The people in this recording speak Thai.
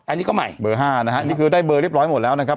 อันนี้ก็ใหม่เบอร์๕นะฮะนี่คือได้เบอร์เรียบร้อยหมดแล้วนะครับ